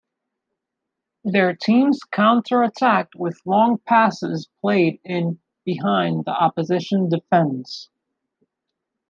Their teams counter-attacked with long passes played in behind the opposition defence.